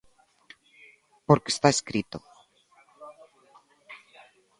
Porque está escrito.